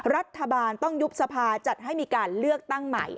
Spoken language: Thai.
รัฐบาลต้องยุบสภาจัดให้มีการเลือกตั้งใหม่